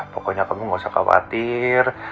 pokoknya kamu gak usah khawatir